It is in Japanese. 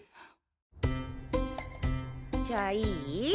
じゃあいい？